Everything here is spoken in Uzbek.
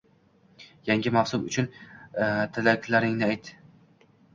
Yangi mavsum uchun tilaklaringni ayt.